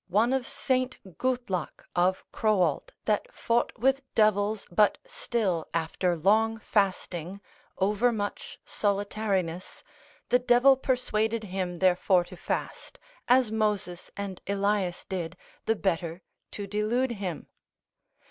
one of Saint Gultlake of Crowald that fought with devils, but still after long fasting, overmuch solitariness, the devil persuaded him therefore to fast, as Moses and Elias did, the better to delude him.